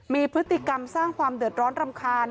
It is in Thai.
มีพฤติกรรมสร้างความเดือดร้อนรำคาญ